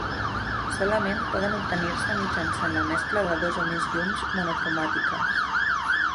Solament poden obtenir-se mitjançant la mescla de dos o més llums monocromàtiques.